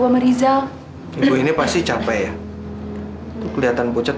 melacak j laut